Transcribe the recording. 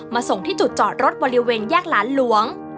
ส่งที่จุดจอดรถบริเวณแยกหลานหลวง